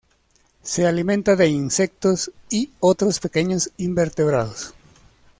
Se alimenta de insectos y otros pequeños invertebrados.